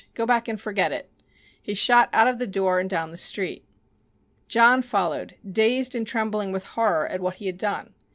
Go back and forget it." He shot out of the door and down the street. John followed, dazed and trembling with horror at what he had done.